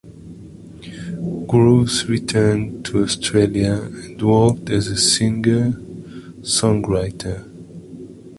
Groves returned to Australia and worked as a singer-songwriter.